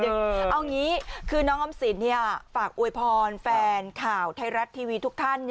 เอาอย่างนี้คือน้องออมสินฝากอวยพรแฟนข่าวไทยรัฐทีวีทุกท่าน